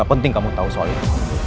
gak penting kamu tau soalnya